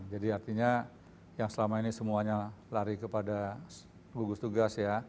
jadi artinya yang selama ini semuanya lari kepada gugus tugas